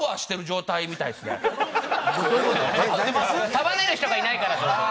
束ねる人がいないからって事？